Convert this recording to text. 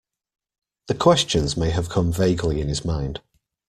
The questions may have come vaguely in his mind.